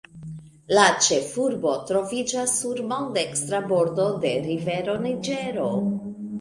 La ĉefurbo troviĝas sur maldekstra bordo de rivero Niĝero.